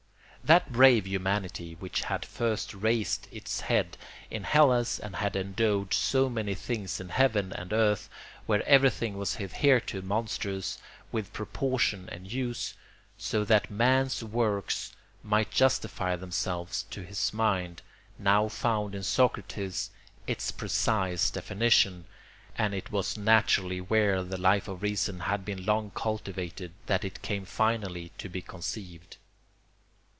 That brave humanity which had first raised its head in Hellas and had endowed so many things in heaven and earth, where everything was hitherto monstrous, with proportion and use, so that man's works might justify themselves to his mind, now found in Socrates its precise definition; and it was naturally where the Life of Reason had been long cultivated that it came finally to be conceived.